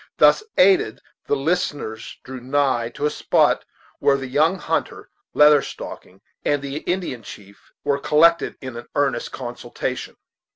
Thus aided, the listeners drew nigh to a spot where the young hunter, Leather Stocking, and the Indian chief were collected in an earnest consultation.